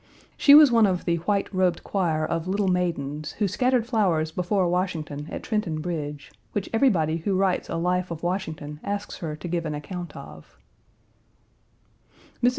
She was one of the "white robed choir" of little maidens who scattered flowers before Washington at Trenton Bridge, which everybody who writes a life of Washington asks her to give an account of. Mrs.